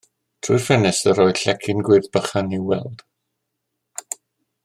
Trwy'r ffenestr yr oedd llecyn gwyrdd bychan i'w weled.